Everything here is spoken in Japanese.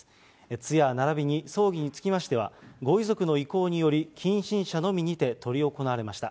通夜ならびに葬儀につきましては、ご遺族の意向により、近親者のみにて執り行われました。